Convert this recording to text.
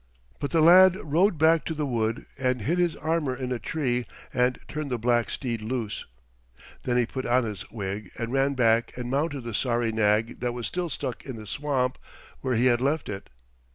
But the lad rode back to the wood and hid his armor in a tree and turned the black steed loose. Then he put on his wig and ran back and mounted the sorry nag that was still stuck in the swamp where he had left it.